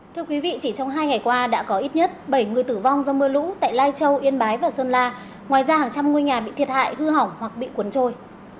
thưa quý vị chỉ trong hai ngày qua đã có ít nhất bảy người tử vong do mưa lũ tại lai châu yên bái và sơn la ngoài ra hàng trăm ngôi nhà bị thiệt hại hư hỏng hoặc bị cuốn trôi